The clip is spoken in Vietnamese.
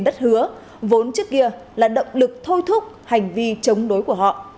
đất hứa vốn trước kia là động lực thôi thúc hành vi chống đối của họ